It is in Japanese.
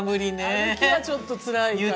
歩きはちょっとつらいかな。